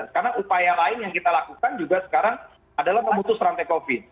karena upaya lain yang kita lakukan juga sekarang adalah memutus rantai covid